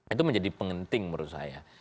itu menjadi penting menurut saya